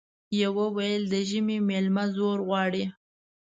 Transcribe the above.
يوه ويل د ژمي ميلمه زور غواړي ،